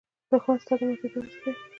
دښمن ستا د ماتېدو هڅه کوي